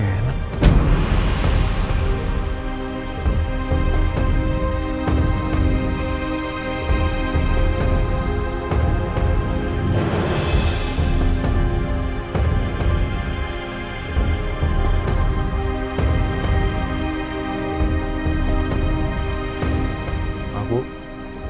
perasaan aku gak enak